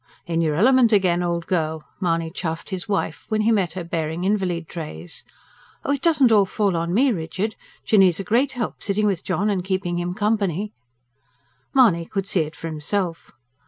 "In your element again, old girl!" Mahony chaffed his wife, when he met her bearing invalid trays. "Oh, it doesn't all fall on me, Richard. Jinny's a great help sitting with John and keeping him company." Mahony could see it for himself.